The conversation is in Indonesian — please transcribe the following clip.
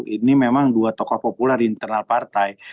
ini memang dua tokoh populer di internal partai